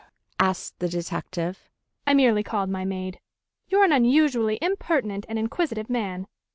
asked the detective. "I merely called my maid. You're an unusually impertinent and inquisitive man.